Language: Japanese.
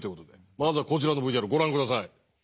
まずはこちらのＶＴＲご覧下さい。